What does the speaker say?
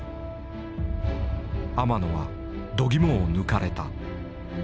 天野はどぎもを抜かれた。